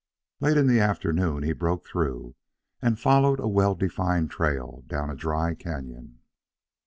Late in the afternoon he broke through, and followed a well defined trail down a dry canon.